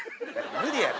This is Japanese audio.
無理やて。